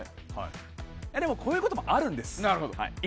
でも、こういうこともあるんです。